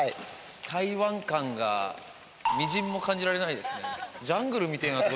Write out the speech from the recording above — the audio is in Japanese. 台湾感がみじんも感じられないですね。